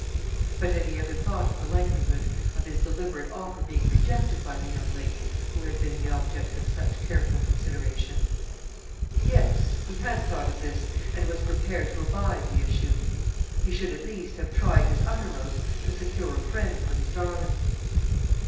But had he ever thought of the likelihood of his deliberate offer being rejected by the young lady who had been the object of such careful consideration? Yes; he had thought of this, and was prepared to abide the issue. He should, at least, have tried his uttermost to secure a friend for his darling.